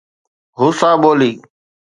Hausa ٻولي